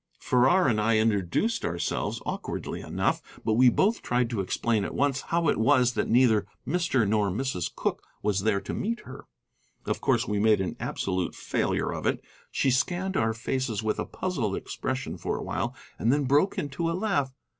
Farrar and I introduced ourselves, awkwardly enough, and we both tried to explain at once how it was that neither Mr. nor Mrs. Cooke was there to meet her. Of course we made an absolute failure of it. She scanned our faces with a puzzled expression for a while and then broke into a laugh.